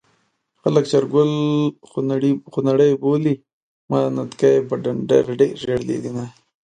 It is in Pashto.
خلک چارګل خونړی بولي ما د نتکۍ په ډنډر ډېر وژلي دينه